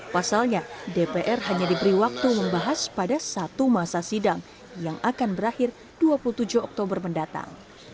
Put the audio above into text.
pasalnya dpr hanya diberi waktu membahas pada satu masa sidang yang akan berakhir dua puluh tujuh oktober mendatang